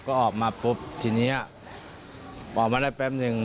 ก็ออกมาปุ๊บทีนี้ออกมาได้แป๊บหนึ่ง